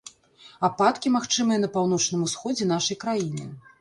Ападкі магчымыя на паўночным усходзе нашай краіны.